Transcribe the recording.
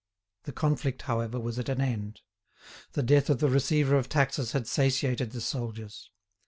The conflict, however, was at an end. The death of the receiver of taxes had satiated the soldiers.